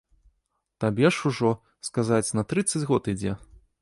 Табе ж ужо, сказаць, на трыццаць год ідзе.